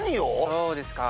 そうですか。